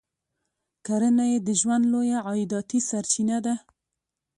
کرنه یې د ژوند لویه عایداتي سرچینه ده.